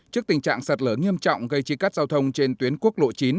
trước tình trạng sạt lở nghiêm trọng gây chia cắt giao thông trên tuyến quốc lộ chín